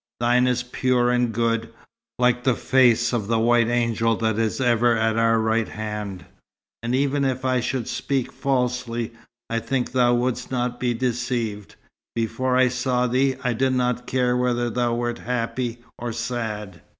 Thine is pure and good, like the face of the white angel that is ever at our right hand; and even if I should speak falsely, I think thou wouldst not be deceived. Before I saw thee, I did not care whether thou wert happy or sad.